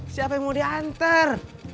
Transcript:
siapa yang mau dianter